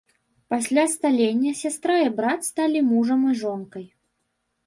Пасля сталення сястра і брат сталі мужам і жонкай.